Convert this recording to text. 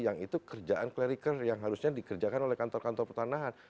yang itu kerjaan cleriker yang harusnya dikerjakan oleh kantor kantor pertanahan